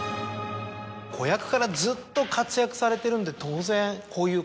子役からずっと活躍されてるんで当然。